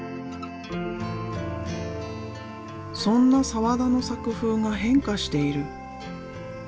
そんな澤田の作風が変化している。